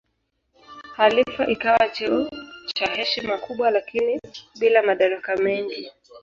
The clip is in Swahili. Khalifa ikawa cheo cha heshima kubwa lakini bila madaraka mengi.